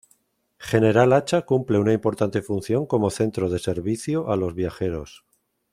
General Acha cumple una importante función como centro de servicio a los viajeros.